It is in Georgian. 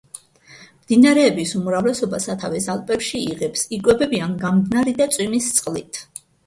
მდინარეების უმრავლესობა სათავეს ალპებში იღებს, იკვებებიან გამდნარი და წვიმის წყლით.